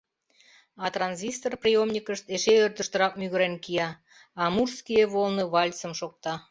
А транзистор приёмникышт эше ӧрдыжтырак мӱгырен кия, «Амурские волны» вальсым шокта.